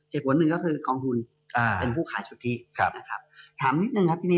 เหตุผลหนึ่งก็คือกองทุนเป็นผู้ขายสุทธิ์นะครับ